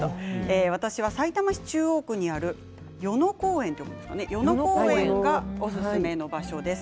私はさいたま市中央区にある与野公園がおすすめの場所です。